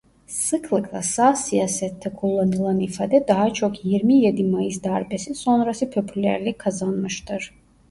Sıklıkla sağ siyasette kullanılan ifade daha çok yirmi yedi Mayıs Darbesi sonrası popülerlik kazanmıştır.